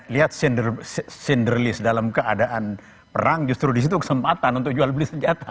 lihat cinderlis dalam keadaan perang justru disitu kesempatan untuk jual beli senjata